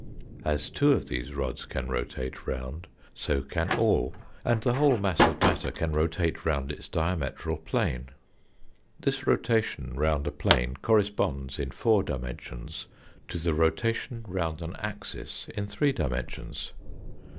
As two of these rods can rotate round, so can all, and the whole mass of matter can rotate round its diametral plane. This rotation round a plane corresponds, in four dimensions, to the rotation round an axis in three dimensions.